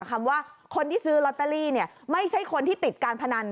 คำว่าคนที่ซื้อลอตเตอรี่ไม่ใช่คนที่ติดการพนัน